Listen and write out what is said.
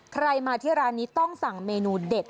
ใครมาที่ร้านนี้ต้องสั่งเมนูเด็ด